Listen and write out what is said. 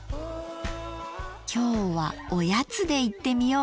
今日はおやつでいってみよう！